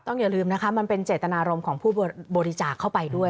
อย่าลืมนะคะมันเป็นเจตนารมณ์ของผู้บริจาคเข้าไปด้วย